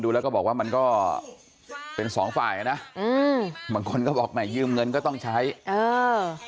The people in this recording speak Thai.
อืมมันคนก็บอกแม่ยืมเงินก็ต้องใช้เออ